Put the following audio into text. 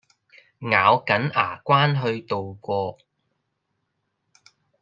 咬緊牙關去渡過